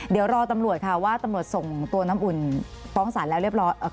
เดี๋ยวรอตำรวจค่ะว่าตำรวจส่งตัวน้ำอุ่นฟ้องศาลแล้วเรียบร้อย